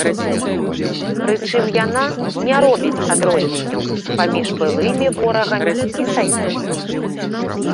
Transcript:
Прычым яна не робіць адрозненняў паміж былымі ворагамі і саюзнікамі.